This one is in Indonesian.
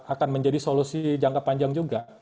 akan menjadi solusi jangka panjang juga